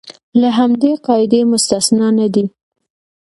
له همدې قاعدې مستثنی نه دي.